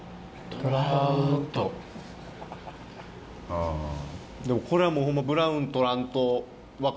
・あぁ・でもこれはホンマ。